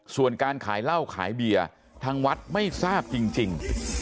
ส่วนการขายเหล้าขายเบียร์ทางวัดไม่ทราบจริง